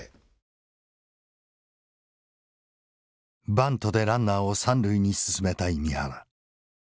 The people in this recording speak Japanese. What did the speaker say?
バントでランナーを三塁に進めたい三原。